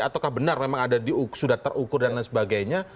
ataukah benar memang sudah terukur dan lain sebagainya